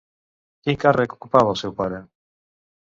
Quin càrrec ocupava el seu pare?